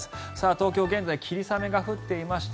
東京、現在霧雨が降っていまして